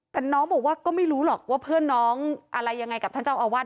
แต่น้องบอกว่าก็ไม่รู้หรอกว่าเพื่อนน้องอะไรยังไงกับท่านเจ้าอาวาส